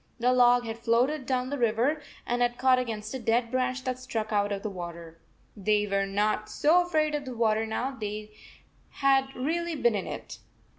The log had floated down the 84 river and had caught against a dead branch that stuck out of the water. They were not so afraid of the water now they had really been in it.